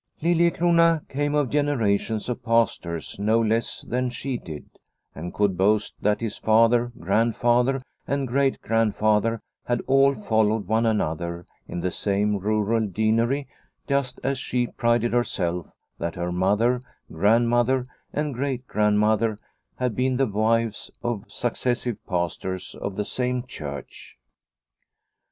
Liliecrona came of generations of pastors no less than she did, and could boast that his father, grandfather, and great grandfather had all followed one another in the same rural deanery just as she prided herself that her mother, grandmother, and great grandmother had been the wives of successive pastors of the same church.